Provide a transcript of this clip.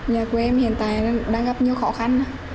nhà của em hiện tại đang gặp nhiều khó khăn